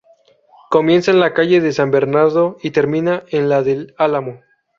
Comienza en la calle de San Bernardo y termina en la del Álamo.